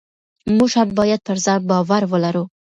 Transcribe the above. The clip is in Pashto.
موږ هم باید پر ځان باور ولرو.